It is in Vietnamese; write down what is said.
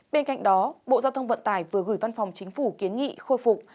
bên cạnh đó bộ giao thông vận tải vừa gửi văn phòng chính phủ kiến nghị khôi phục